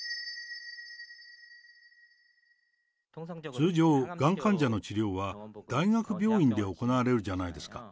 通常、がん患者の治療は、大学病院で行われるじゃないですか。